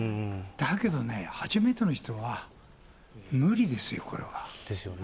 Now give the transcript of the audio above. だけどね、初めての人は無理ですよ、これは。